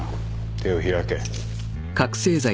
手を開け。